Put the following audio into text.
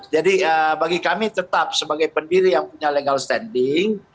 jadi bagi kami tetap sebagai pendiri yang punya legal standing